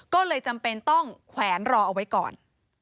ก็เลยจำเป็นต้องแขวนรอเอาไว้ก่อน